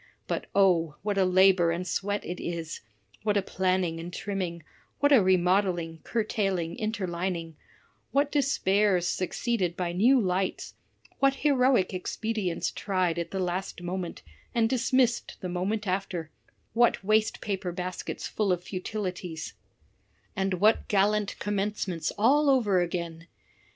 But O! what a labor and sweat it is; what a planning and trimming; what a remodeling, curtail ing, interlining; what despairs succeeded by new lights, what heroic expedients tried at the last moment, and dismissed the moment after; what wastepaper baskets full of futilities, and what gallant commencements all over again